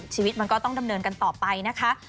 ชีวิตมันก็ต้องดำเนินกันต่อไปนะคะ